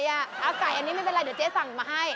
เอาไก่อันนี้ไม่เป็นไรเดี๋ยวเจ๊สั่งมาให้